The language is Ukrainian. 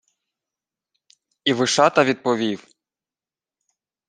І Вишата відповів: